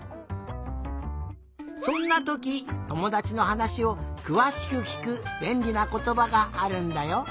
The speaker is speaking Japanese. そんなときともだちのはなしをくわしくきくべんりなことばがあるんだよ。